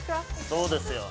そうですよ。